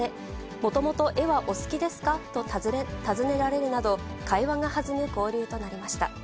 もともと絵はお好きですか？と尋ねられるなど、会話が弾む交流となりました。